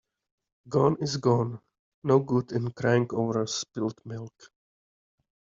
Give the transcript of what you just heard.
Gone is gone. No good in crying over spilt milk.